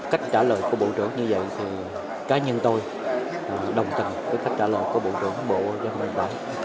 cách trả lời của bộ trưởng như vậy thì cá nhân tôi đồng tình với cách trả lời của bộ trưởng bộ giao thông vận tải